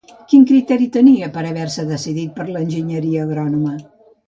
Quin criteri tenia per haver-se decidit per enginyeria agrònoma?